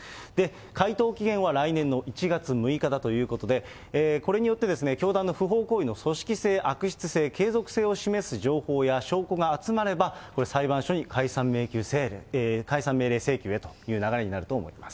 回答期限は来年の１月６日だということで、これによって、教団の不法行為の組織性、悪質性、継続性を示す情報や証拠が集まれば、これ裁判所に解散命令請求へという流れになると思います。